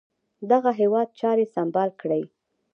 دغه هیواد چاري سمبال کړي.